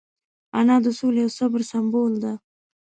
انا د سولې او صبر سمبول ده